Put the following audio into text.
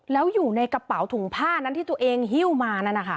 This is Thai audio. แล้วอยู่ในกระเป๋าถุงผ้านั้นที่ตัวเองหิ้วมานั้นนะคะ